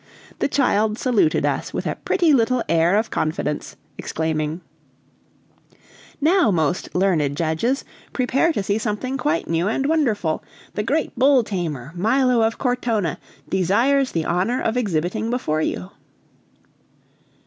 The child saluted us with a pretty little air of confidence, exclaiming: "Now, most learned judges, prepare to see something quite new and wonderful! The great bull tamer, Milo of Cortona, desires the honor of exhibiting before you."